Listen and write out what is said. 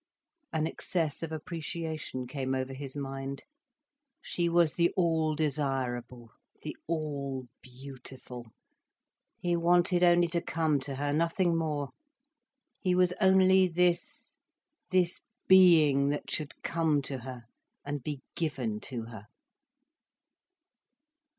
An excess of appreciation came over his mind, she was the all desirable, the all beautiful. He wanted only to come to her, nothing more. He was only this, this being that should come to her, and be given to her.